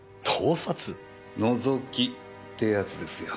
「のぞき」ってやつですよ。